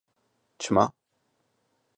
Çima?